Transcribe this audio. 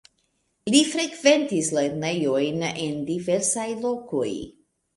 Li frekventis lernejojn en diversaj lokoj.